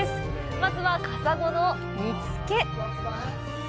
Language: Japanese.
まずは、カサゴの煮付け。